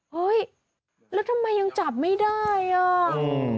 เฮ้ยแล้วทำไมยังจับไม่ได้อ่ะ